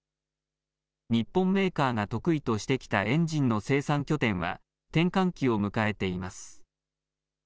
日本メーカーが得意としてきたエンジンの生産拠点は、転換期を迎えています。